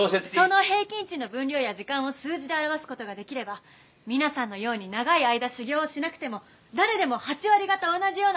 その平均値の分量や時間を数字で表す事ができれば皆さんのように長い間修業をしなくても誰でも８割方同じような料理が作れるように。